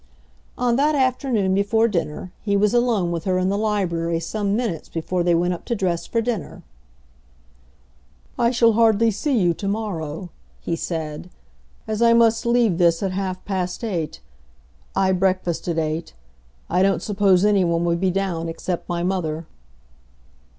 On that afternoon before dinner he was alone with her in the library some minutes before they went up to dress for dinner. "I shall hardly see you to morrow," he said, "as I must leave this at half past eight. I breakfast at eight. I don't suppose any one will be down except my mother."